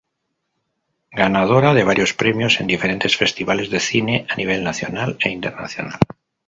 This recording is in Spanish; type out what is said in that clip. Ganadora de varios premios en diferentes festivales de cine a nivel nacional e internacional.